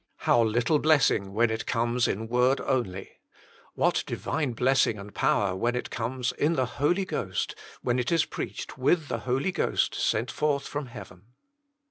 How little blessing when it comes "in word" only; what Divine blessing and power when it comes "in the Holy Ghost," when it is preached "with the Holy Ghost sent forth from heaven."